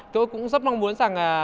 tôi cũng rất mong muốn rằng